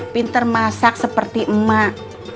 pinter masak seperti emak